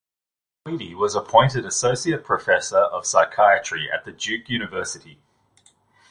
Tweedy was appointed associate professor of psychiatry at the Duke University.